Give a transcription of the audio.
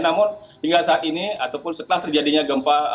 namun hingga saat ini ataupun setelah terjadinya gempa